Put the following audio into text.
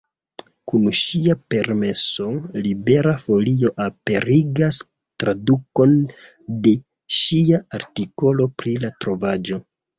Kun ŝia permeso, Libera Folio aperigas tradukon de ŝia artikolo pri la trovaĵo.